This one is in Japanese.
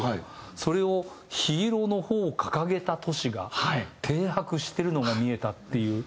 それを「緋色の帆を掲げた都市が碇泊してるのが見えた」っていう。